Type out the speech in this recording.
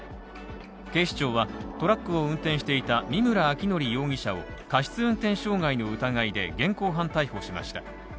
警視庁は、トラックを運転していた見村彰紀容疑者を過失運転傷害の疑いで現行犯逮捕しました。